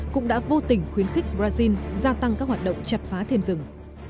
cũng đã vô tình khuyến khích brazil gia tăng các hoạt động chặt phá thêm rừng